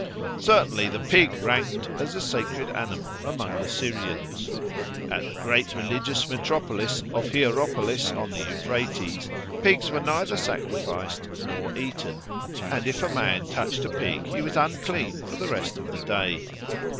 Certainly the pig ranked as a sacred animal among the Syrians. At the great religious metropolis of Hierapolis on the Euphrates pigs were neither sacrificed nor eaten, and if a man touched a pig he was unclean for the rest of the day.